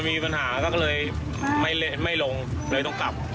มีปัญหาก็เลยไม่ลงเลยต้องกลับ